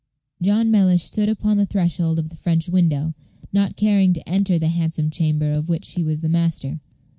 John Mellish stood upon the threshold of the French window, not caring to enter the handsome chamber of which he was the master.